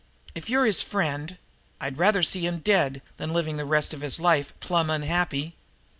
"If you're his friend " "I'd rather see him dead than living the rest of his life, plumb unhappy."